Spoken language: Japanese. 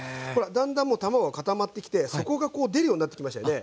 だんだんもう卵が固まってきて底がこう出るようになってきましたよね。